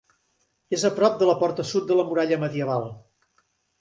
És a prop de la porta sud de la muralla medieval.